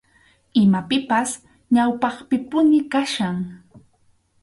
Imapipas ñawpaqpipuni kachkan.